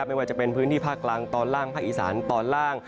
ไม่ว่าจะเป็นพื้นที่ภาคกลางตอนล่างภาคอีสานตอนล่าง